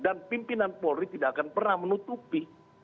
pimpinan polri tidak akan pernah menutupi